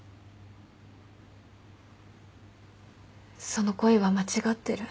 その恋は間違ってる。